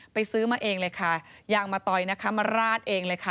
ซื้อมาเองเลยค่ะยางมะตอยนะคะมาราดเองเลยค่ะ